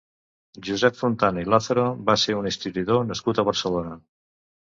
Josep Fontana i Làzaro va ser un historiador nascut a Barcelona.